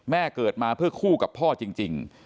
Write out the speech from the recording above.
เกิดมาเพื่อคู่กับพ่อจริง